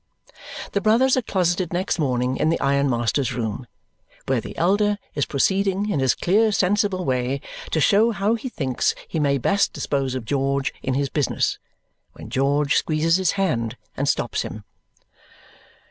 The brothers are closeted next morning in the ironmaster's room, where the elder is proceeding, in his clear sensible way, to show how he thinks he may best dispose of George in his business, when George squeezes his hand and stops him.